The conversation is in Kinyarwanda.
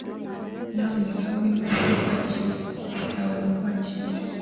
Nyamuneka ngwino ufate paki yawe mukwakira.